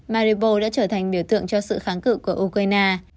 maribo đã trở thành biểu tượng cho sự kháng cự của ukraine